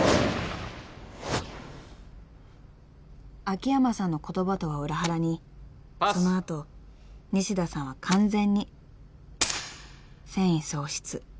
［秋山さんの言葉とは裏腹にその後西田さんは完全に戦意喪失］